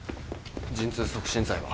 陣痛促進剤は？